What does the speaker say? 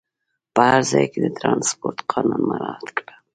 په هر ځای کې د ترانسپورټ قانون مراعات کړه.